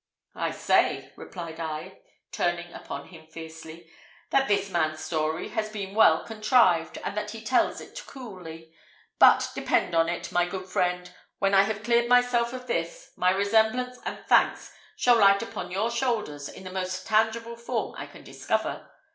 "I say," replied I, turning upon him fiercely, "that this man's story has been well contrived, and that he tells it coolly; but, depend on it, my good friend, when I have cleared myself of this, my remembrance and thanks shall light upon your shoulders in the most tangible form I can discover.